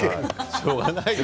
しょうがないよ。